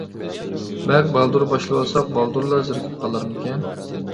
بەك بالدۇر باشلىۋالساق بالدۇرلا زېرىكىپ قالارمىكىن.